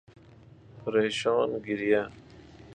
پریشان گریه